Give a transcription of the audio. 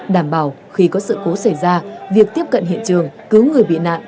đảm bảo khi có sự cố xảy ra việc tiếp cận hiện trường cứu người bị nạn